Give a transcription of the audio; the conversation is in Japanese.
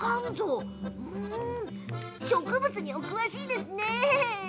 植物にお詳しいですね。